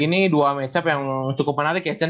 ini dua match up yang cukup menarik ya cen